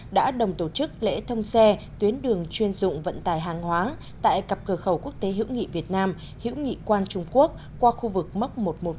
đã đồng tổ chức lễ thông xe tuyến đường chuyên dụng vận tài hàng hóa tại cặp cửa khẩu quốc tế hữu nghị việt nam hữu nghị quan trung quốc qua khu vực mốc một nghìn một trăm một mươi chín một nghìn một trăm hai mươi